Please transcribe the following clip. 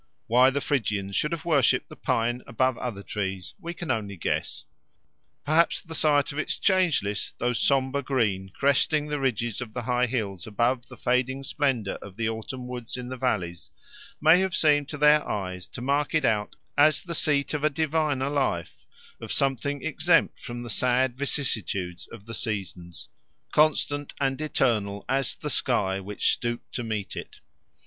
Why the Phrygians should have worshipped the pine above other trees we can only guess. Perhaps the sight of its changeless, though sombre, green cresting the ridges of the high hills above the fading splendour of the autumn woods in the valleys may have seemed to their eyes to mark it out as the seat of a diviner life, of something exempt from the sad vicissitudes of the seasons, constant and eternal as the sky which stooped to meet it.